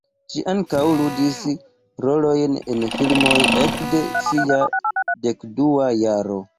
Ŝi ankaŭ ludis rolojn en filmoj ekde sia dekdua jaro.